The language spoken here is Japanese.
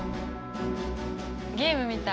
ゲームみたい。